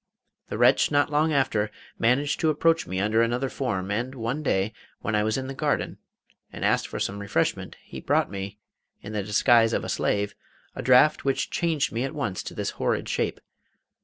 The wretch not long after managed to approach me under another form, and one day, when I was in the garden, and asked for some refreshment, he brought me in the disguise of a slave a draught which changed me at once to this horrid shape.